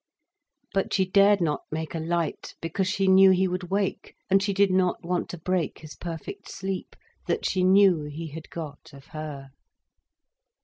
But she dared not make a light, because she knew he would wake, and she did not want to break his perfect sleep, that she knew he had got of her.